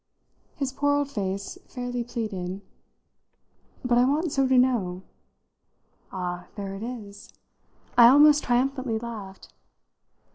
His poor old face fairly pleaded. "But I want so to know." "Ah, there it is!" I almost triumphantly laughed.